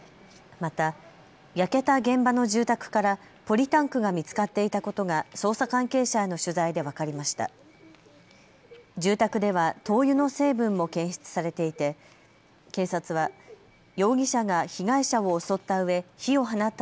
また焼けた現場の住宅からポリタンクが見つかっていたことが捜査関係者への取材で分かりました。